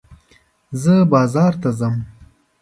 زه بازار ته ځم.